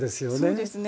そうですね。